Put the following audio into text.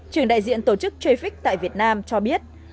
trưởng đại diện tổ chức trafic tại việt nam cho biết